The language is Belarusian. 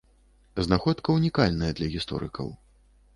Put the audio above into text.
Знаходка ўнікальная для гісторыкаў.